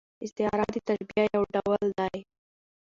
استعاره د تشبیه یو ډول دئ.